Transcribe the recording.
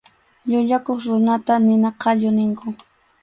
Llullakuq runata nina qallu ninkum.